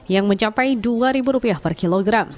yang mencapai rp dua per kilogram